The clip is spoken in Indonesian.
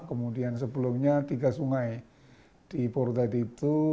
kemudian sebelumnya tiga sungai di portait itu